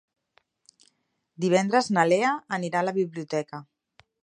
Divendres na Lea anirà a la biblioteca.